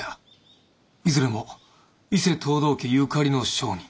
いずれも伊勢藤堂家ゆかりの商人。